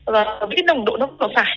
và cái nồng độ nó cũng có phải